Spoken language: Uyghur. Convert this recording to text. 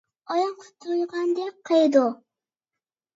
ئاران قۇتۇلغاندەك قىلىدۇ.